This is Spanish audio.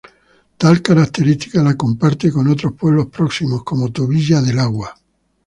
Tal característica la comparte con otros pueblos próximos como Tubilla del Agua.